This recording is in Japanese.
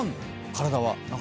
体は。